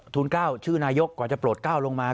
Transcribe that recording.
ทุน๙ชื่อนายกกว่าจะโปรด๙ลงมา